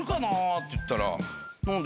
って言ったら、何で？